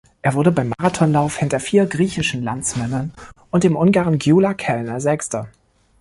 Er wurde beim Marathonlauf hinter vier griechischen Landsmännern und dem Ungarn Gyula Kellner Sechster.